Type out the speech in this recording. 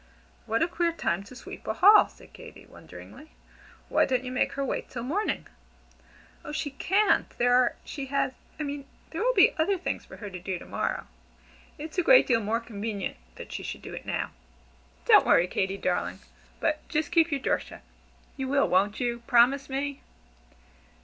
"What a queer time to sweep a hall!" said Katy, wonderingly. "Why don't you make her wait till morning?" "Oh, she can't! There are she has I mean there will be other things for her to do to morrow. It's a great deal more convenient that she should do it now. Don't worry, Katy, darling, but just keep your door shut. You will, won't you? Promise me!"